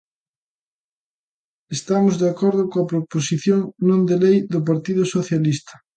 Estamos de acordo coa proposición non de lei do Partido Socialista.